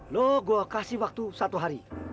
lo gue kasih waktu satu hari